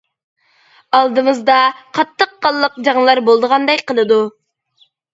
ئالدىمىزدا قاتتىق قانلىق جەڭلەر بولىدىغاندەك قىلىدۇ.